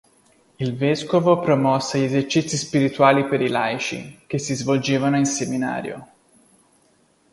Il vescovo promosse gli esercizi spirituali per i laici, che si svolgevano in Seminario.